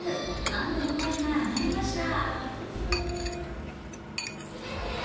安堵の声が上がりました。